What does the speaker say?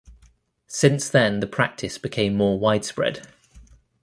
Since then the practice became more widespread.